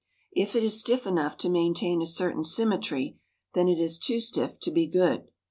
If it is stiff enough to maintain a certain symmetry, then it is too stiff to be good.